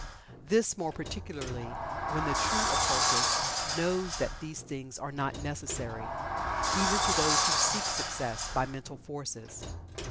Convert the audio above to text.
This, more particularly, when the true occultist knows that these things are not necessary, even to those who seek "Success" by mental forces.